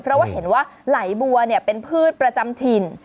เพราะว่าเห็นว่าไหลบัวเป็นพืชประจำถิ่น